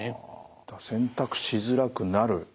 選択しづらくなる。